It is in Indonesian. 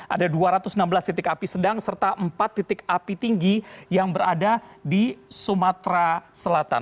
ada dua ratus enam belas titik api sedang serta empat titik api tinggi yang berada di sumatera selatan